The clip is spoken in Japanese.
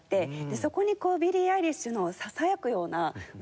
そこにビリー・アイリッシュのささやくような歌声が入っていて。